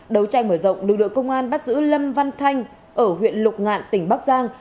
đấu tranh mở rộng lực lượng công an bắt giữ lâm văn thanh ở huyện lục ngạn tỉnh bắc giang